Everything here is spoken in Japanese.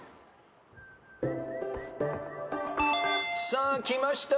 さあきました。